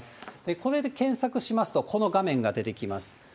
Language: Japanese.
これで検索しますと、この画面が出てきます。